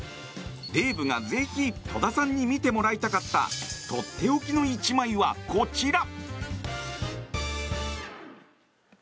デーブがぜひ戸田さんに見てもらいたかったとっておきの１枚は、こちら。